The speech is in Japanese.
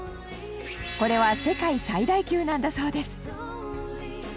これは世界最大級なんだそうです。